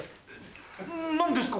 何ですか？